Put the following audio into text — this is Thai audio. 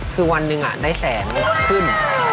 คือวันหนึ่งได้แสนขึ้น